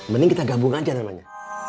mending kita gabung aja namanya